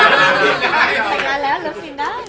รับสินได้